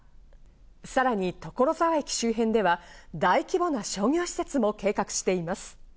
さらに所沢駅周辺では、大規模な商業施設も計画しています。